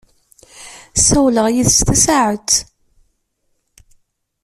Ssawleɣ yid-s tasaɛet.